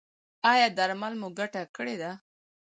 ایا درمل مو ګټه کړې ده؟